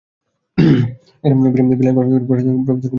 Kenyan বংশোদ্ভূত professor Juma খুব structured class নিতে পছন্দ করেন না।